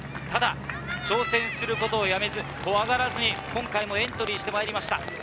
ただ挑戦することをやめず怖がらずに今回もエントリーしてまいりました。